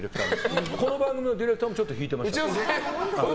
この番組のディレクターもちょっと引いてました。